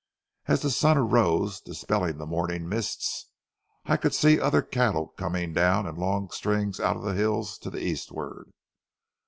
As the sun arose, dispelling the morning mists, I could see other cattle coming down in long strings out of the hills to the eastward.